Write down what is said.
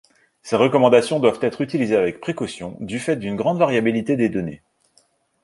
Ces recommandations doivent être utilisées avec précaution du fait d'une grande variabilité des données.